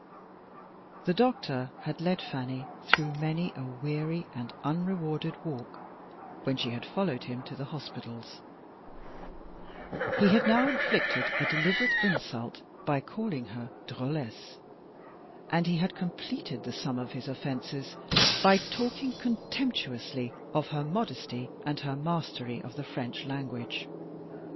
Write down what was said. The doctor had led Fanny through many a weary and unrewarded walk when she had followed him to the hospitals; he had now inflicted a deliberate insult by calling her "drolesse" and he had completed the sum of his offences by talking contemptuously of her modesty and her mastery of the French language.